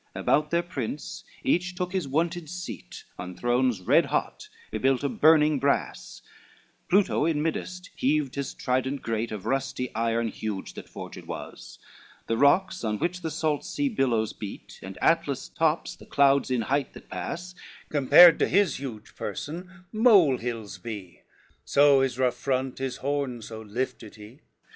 VI About their princes each took his wonted seat On thrones red hot, ybuilt of burning brass, Pluto in middest heaved his trident great, Of rusty iron huge that forged was, The rocks on which the salt sea billows beat, And Atlas' tops, the clouds in height that pass, Compared to his huge person mole hills be, So his rough front, his horns so lifted he.